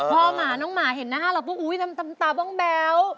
พอหมาน้องหมาเห็นหน้าเราบอกว่าอุ๊ยตามตาบ้องแบ้ว